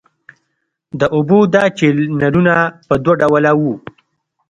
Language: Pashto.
د اوبو دا چینلونه په دوه ډوله وو.